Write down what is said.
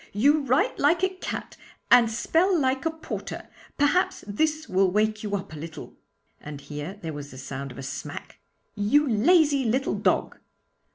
You write like a cat and spell like a porter. Perhaps this will wake you up a little' and here there was the sound of a smack 'you lazy little dog.'